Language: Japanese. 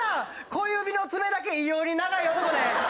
小指の爪だけ異様に長い男ね。